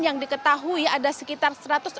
yang diketahui ada sekitar satu ratus empat puluh